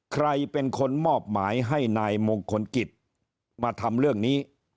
ใครเป็นคนมอบหมายให้นายมงคลกิจมาทำเรื่องนี้